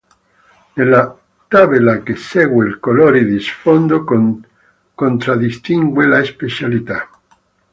Nella tabella che segue il colore di sfondo contraddistingue la specialità.